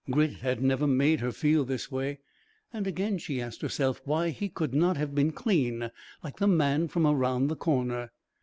Grit had never made her feel this way. And again she asked herself why he could not have been clean like the man from around the corner.